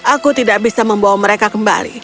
aku tidak bisa membawa mereka kembali